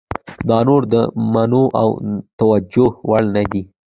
دا نور د منلو او توجیه وړ نه ده.